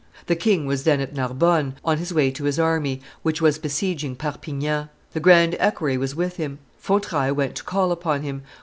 The king was then at Narbonne, on his way to his army, which was besieging Perpignan. The grand equerry was with him. Fontrailles went to call upon him.